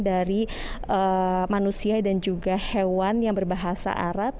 dari manusia dan juga hewan yang berbahasa arab